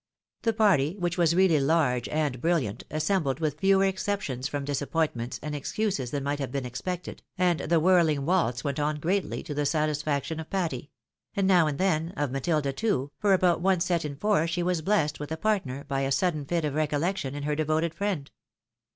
The party, which was really large and brilliant, assembled with fewer exceptions from disappointments and excuses than might have been expected, and the whirling waltz went on greatly to the satisfaction of Patty ; and now and theij, of Matilda too, for about one set in iour she was blessed with a partner by a sudden fit of recollection in her devoted friend.